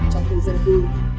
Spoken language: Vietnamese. trong khu dân tư